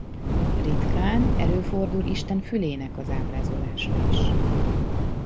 Ritkán előfordul Isten fülének az ábrázolása is.